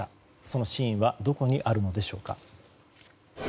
その真意はどこにあるんでしょうか。